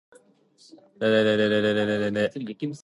He served with Edward Preble during the First Barbary War.